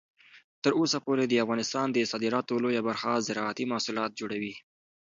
تر اوسه پورې د افغانستان د صادراتو لویه برخه زراعتي محصولات جوړوي.